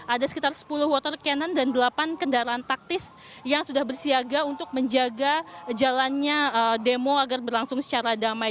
ada sekitar sepuluh water cannon dan delapan kendaraan taktis yang sudah bersiaga untuk menjaga jalannya demo agar berlangsung secara damai